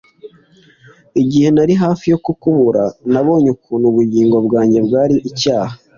igihe nari hafi yo kukubura, nabonye ukuntu ubugingo bwanjye bwari icyaha